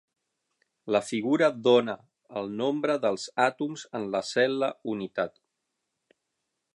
La figura dóna el nombre dels àtoms en la cel·la unitat.